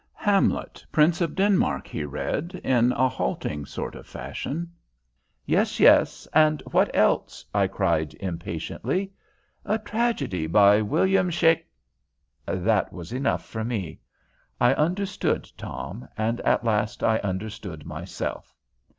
"Hamlet, Prince of Denmark," he read, in a halting sort of fashion. "Yes, yes; and what else?" I cried, impatiently. "A Tragedy by William Shak " That was enough for me. I understood Tom, and at last I understood myself.